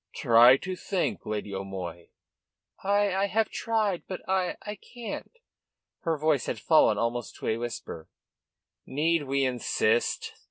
"Try to think, Lady O'Moy." "I I have tried. But I I can't." Her voice had fallen almost to a whisper. "Need we insist?"